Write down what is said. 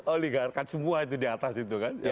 oligarkat semua itu di atas itu kan